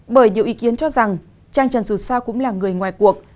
bởi nhiều ý kiến cho rằng trang trần dù sao cũng là người ngoài cuộc